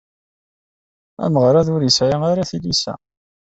Ameɣrad ur yesɛi ara tilisa.